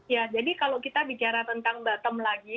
ya jadi kalau kita bicara tentang bottom lagi